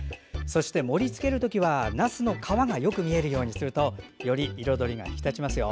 そして盛りつけるときはなすの皮がよく見えるようにするとより彩りが引き立ちますよ。